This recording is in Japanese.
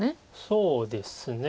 そうですね。